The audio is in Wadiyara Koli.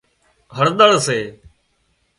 هۯۮۯ سي